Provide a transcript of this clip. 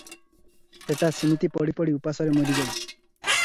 ସେଟା ସିମିତି ପଡ଼ି ପଡ଼ି ଉପାସରେ ମରି ଯାଉ ।